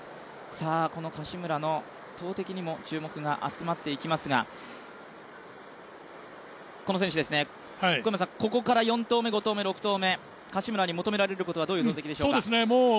この柏村の投てきにも注目が集まっていきますが、この選手ですね、ここから４投目、５投目、６投目、柏村に求められる投てきはどういうことでしょうか？